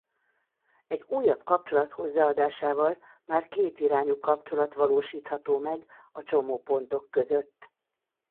Egy újabb kapcsolat hozzáadásával már kétirányú kapcsolat valósítható meg a csomópontok között.